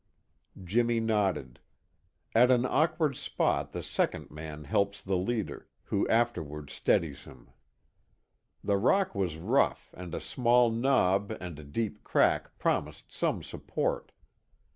Jimmy nodded. At an awkward spot the second man helps the leader, who afterwards steadies him. The rock was rough and a small knob and the deep crack promised some support.